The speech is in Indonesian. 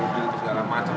budi segala macam